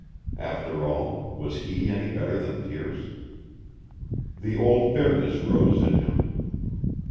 After all, was he any better than Pearce? The old bitterness rose in him.